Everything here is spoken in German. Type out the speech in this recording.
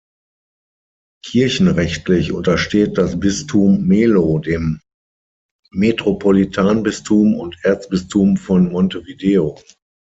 Kirchenrechtlich untersteht das Bistum Melo dem Metropolitanbistum und Erzbistum von Montevideo.